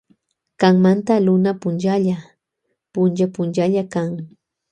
Kanmanta Luna punchalla kan punlla punlla.